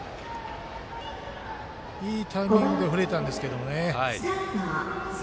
いいタイミングで振れたんですけどね。